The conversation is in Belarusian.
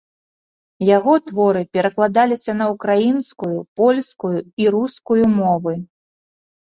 Яго творы перакладаліся на ўкраінскую, польскую і рускую мовы.